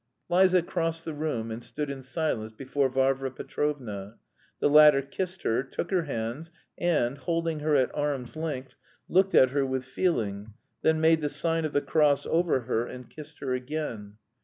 Liza crossed the room and stood in silence before Varvara Petrovna. The latter kissed her, took her hands, and, holding her at arm's length, looked at her with feeling, then made the sign of the cross over her and kissed her again.